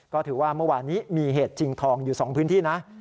ก็ถือว่าเมื่อวานนี้มีเหตุจิงทองอยู่๒พื้นที่นะ